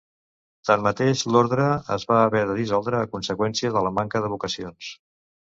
Tanmateix, l'ordre es va haver de dissoldre a conseqüència de la manca de vocacions.